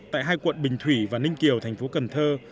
tại hai quận bình thủy và ninh kiều thành phố cần thơ